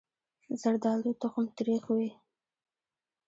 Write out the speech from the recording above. زردالو تخم تریخ وي.